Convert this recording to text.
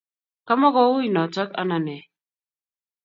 Kamuko ui notok, anan nee?